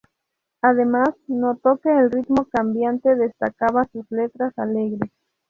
Además, notó que el ritmo cambiante destacaba sus letras alegres.